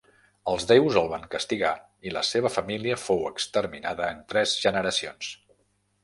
Els deus el van castigar i la seva família fou exterminada en tres generacions.